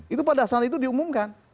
itu pada saat itu diumumkan